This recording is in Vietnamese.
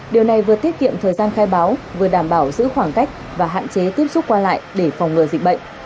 điều này vừa tiết kiệm thời gian khai báo vừa đảm bảo giữ khoảng cách và hạn chế tiếp xúc qua lại để phòng ngừa dịch bệnh